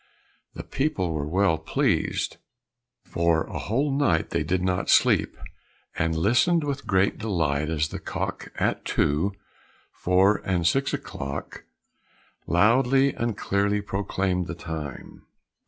The people were well pleased; for a whole night they did not sleep, and listened with great delight as the cock at two, four, and six o'clock, loudly and clearly proclaimed the time.